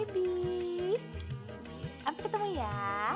sampai ketemu ya